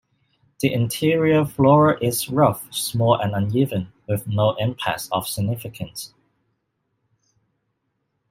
The interior floor is rough, small and uneven, with no impacts of significance.